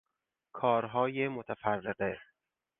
کارهای متفرقه